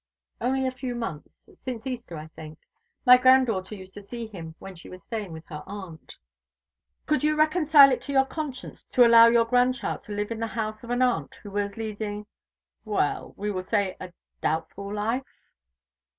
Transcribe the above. "Only a few months since Easter, I think. My granddaughter used to see him when she was staying with her aunt." "Could you reconcile it to your conscience to allow your grandchild to live in the house of an aunt who was leading well, we will say a doubtful life?"